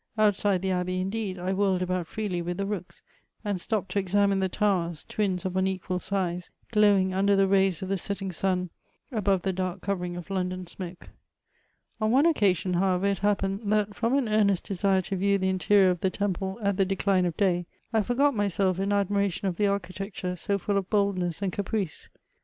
Outside the abbey, indeed^ I whirled about firedy with the rooks, and sbapped to examine the towers^ twins of unequal nz^ glowing under the rays of the setting sun, above the dark covering of LcMidon smcke. On one occasion, however, it happened, tiiat &om an earnest desire to view tiie interior of the temple at the decline of day, I forget myself in admiration of tiw architecture so fuU of boldness and caprice.